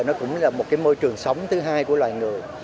nó cũng là một cái môi trường sống thứ hai của loài người